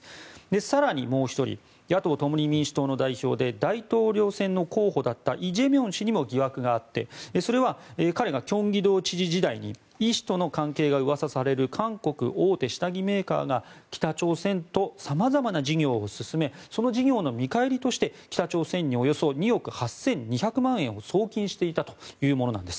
更にもう１人野党・共に民主党の代表で大統領選の候補だったイ・ジェミョン氏にも疑惑があってそれは彼が京畿道知事時代にイ氏との関係がうわさされる韓国大手下着メーカーが北朝鮮と様々な事業を進めその事業の見返りとして北朝鮮におよそ２億８２００万円を送金していたというものなんです。